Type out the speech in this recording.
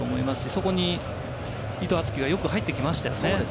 そこに伊藤敦樹がよく入ってきましたよね。